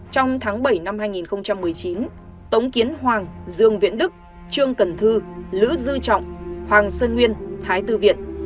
trong tháng bảy năm hai nghìn một mươi chín tống kiến hoàng dương viễn đức trương cần thư lữ dư trọng hoàng sơn nguyên thái tư viện